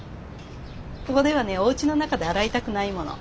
ここではねおうちの中で洗いたくないもの。